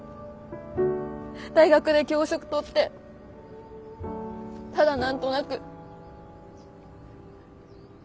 大学で教職とってただ何となく。